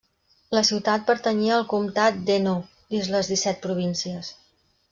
La ciutat pertanyia al comtat d'Hainaut dins les Disset Províncies.